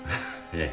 ええ。